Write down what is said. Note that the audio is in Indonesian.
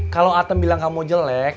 kalau atem bilang kamu jelek